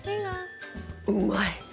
うまい！